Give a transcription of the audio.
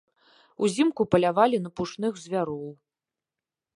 Узімку палявалі на пушных звяроў.